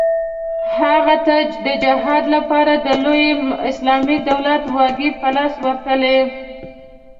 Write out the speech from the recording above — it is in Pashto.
هغه ته د جهاد لپاره د لوی اسلامي دولت واګې په لاس ورتلې.